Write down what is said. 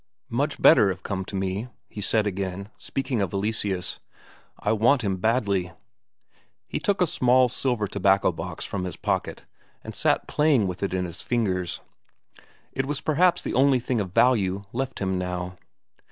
"Much better have come to me," he said again, speaking of Eleseus. "I want him badly." He took a small silver tobacco box from his pocket and sat playing with it in his fingers. It was perhaps the only thing of value left him now.